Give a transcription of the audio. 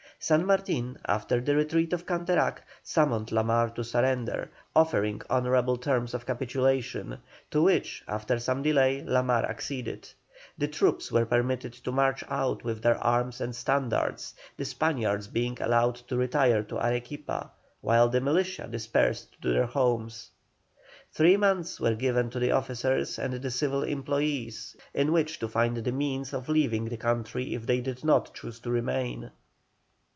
San Martin, after the retreat of Canterac, summoned La Mar to surrender, offering honourable terms of capitulation, to which, after some delay, La Mar acceded. The troops were permitted to march out with their arms and standards, the Spaniards being allowed to retire to Arequipa, while the militia dispersed to their homes. Three months were given to the officers and the civil employés in which to find the means of leaving the country if they did not choose to remain.